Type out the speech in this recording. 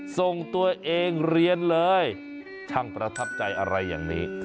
ส่งตัวเองเรียนเลยช่างประทับใจอะไรอย่างนี้